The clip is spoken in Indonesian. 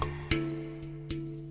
anda ingin juga